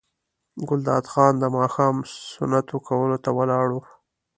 ګلداد خان د ماښام سنتو کولو ته ولاړ و.